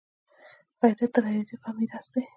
غیرت د غیرتي قام میراث دی